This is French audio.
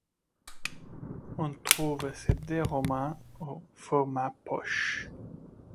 On trouve ses deux romans au format poche.